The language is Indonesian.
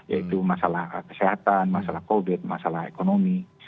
yaitu masalah kesehatan masalah covid masalah ekonomi